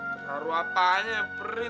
terharu apanya pri